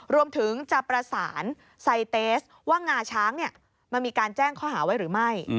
รวมถึงจะประสานไซเตสว่างาช้างมันมีการแจ้งข้อหาไว้หรือไม่